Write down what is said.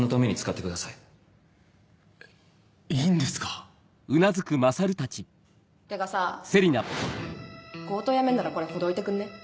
てかさ強盗やめんならこれほどいてくんね？